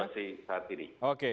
dalam situasi saat ini